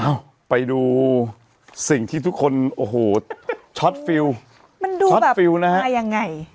อ้าวไปดูสิ่งที่ทุกคนโอ้โหมันดูแบบมายังไง